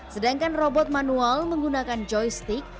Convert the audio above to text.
sedangkan robot manual menggunakan joystick